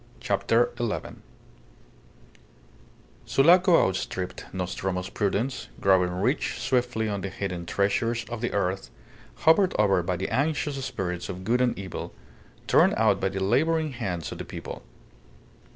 CHAPTER ELEVEN Sulaco outstripped Nostromo's prudence, growing rich swiftly on the hidden treasures of the earth, hovered over by the anxious spirits of good and evil, torn out by the labouring hands of the people.